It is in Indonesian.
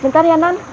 bentar ya non